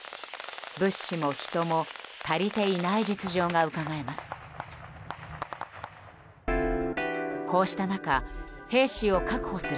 物資も人も足りていない実情がうかがえます。